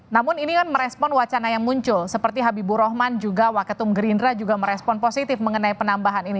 jadi apa yang merespon wacana yang muncul seperti habibur rahman juga waketum gerindra juga merespon positif mengenai penambahan ini